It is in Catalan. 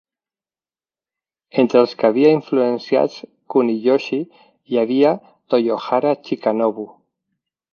Entre els que havia influenciat Kuniyoshi, hi havia Toyohara Chikanobu.